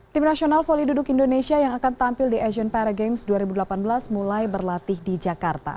tim nasional volley duduk indonesia yang akan tampil di asian paragames dua ribu delapan belas mulai berlatih di jakarta